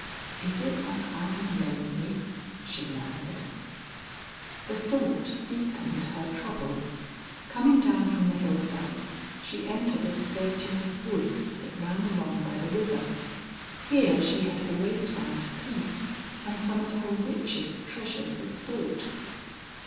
"Is it that I am lonely!" she murmured. The thought deepened her trouble. Coming down from the hillside, she entered a skirting of woods that ran along by the river. Here she had always found peace and some of her richest treasures of thought.